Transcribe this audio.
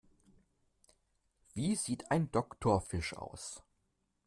Wie sieht ein Doktorfisch aus?